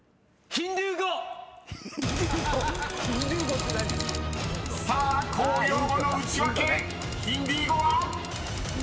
「ヒンドゥー語」って何⁉［さあ公用語のウチワケヒンディー語は⁉］